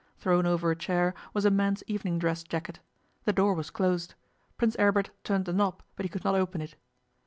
Thrown over a chair was a man's evening dress jacket. The door was closed. Prince Aribert turned the knob, but he could not open it.